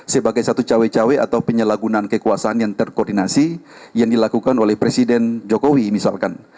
sebagai satu cawe cawe atau penyalahgunaan kekuasaan yang terkoordinasi yang dilakukan oleh presiden jokowi misalkan